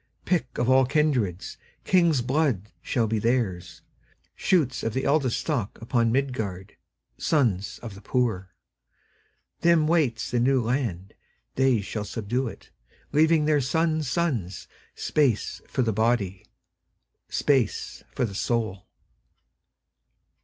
Pick of all kindreds, King's blood shall theirs be, Shoots of the eldestStock upon Midgard, Sons of the poor. Them waits the New Land; They shall subdue it, Leaving their sons' sonsSpace for the body, Space for the soul.